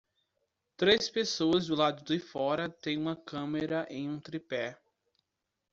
Três pessoas do lado de fora tem uma câmera em um tripé.